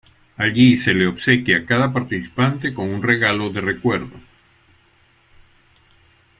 Allí se le obsequia a cada participante con un regalo de recuerdo.